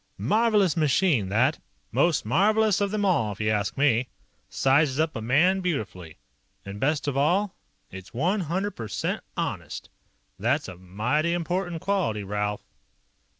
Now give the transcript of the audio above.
"Marvelous machine, that. Most marvelous of 'em all, if you ask me. Sizes up a man beautifully. And best of all, it's one hundred percent honest. That's a mighty important quality, Ralph."